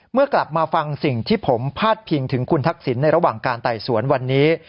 เมื่อกลับมาฟังสิ่งที่ผมพาดพิงถึงคุณทักษิณในระหว่างการไต่สวนวันนี้